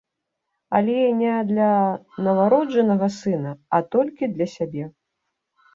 Але не для нованароджанага сына, а толькі для сябе.